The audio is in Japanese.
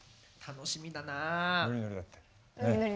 楽しみだな。